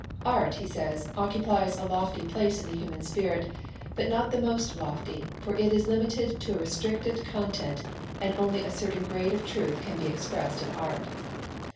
Art, he says, occupies a lofty place in the human spirit, but not the most lofty, for it is limited to a restricted content and only a certain grade of truth can be expressed in art.